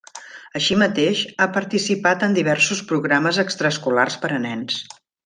Així mateix, ha participat en diversos programes extraescolars per a nens.